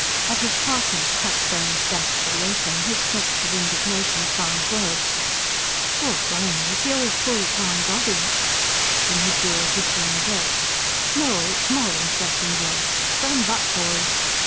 At his partner's crack brained dash for the open, his snorts of indignation found words. "Gaw blimy! ... is the old fool gone dotty?" Then he drew a whistling breath. "No, it's more than flesh and blood .... Stand back, boys!"